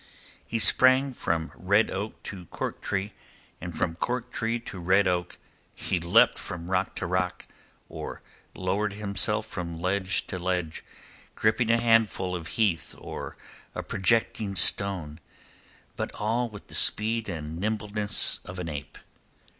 He sprang from red oak to cork tree and from cork tree to red oak; he leapt from rock to rock, or lowered himself from ledge to ledge, gripping a handful of heath or a projecting stone, but all with the speed and nimbleness of an ape.